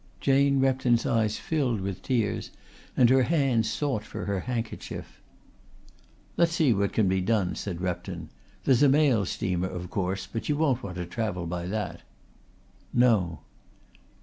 Jane Repton's eyes filled with tears and her hand sought for her handkerchief. "Let's see what can be done," said Repton. "There's a mail steamer of course, but you won't want to travel by that." "No."